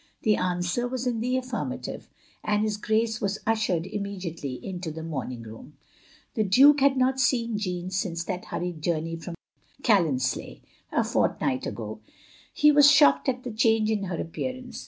The answer was in the affirmative, and his Grace was tishered immediately into the morning room. The Duke had not seen Jeanne since that hurried jotimey from Challonsleigh, a fortnight ago. He was shocked at the change in her appearance.